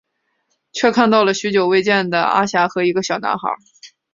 却看到了许久未见的阿霞和一个小男孩。